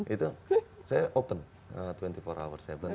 itu saya open dua puluh empat hours a day